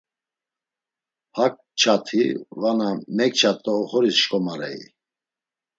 Hak kçati vana mekçat do oxoris şǩomarei?